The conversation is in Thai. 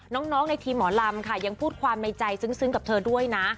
น้องในทีมหมอลำค่ะยังพูดความในใจซึ้งกับเธอด้วยนะ